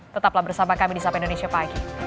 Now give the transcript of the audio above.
tetaplah bersama kami di sapa indonesia pagi